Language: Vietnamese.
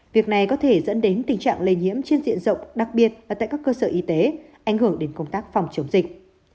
việc này có thể dẫn đến tình trạng lây nhiễm trên diện rộng đặc biệt là tại các cơ sở y tế ảnh hưởng đến công tác phòng chống dịch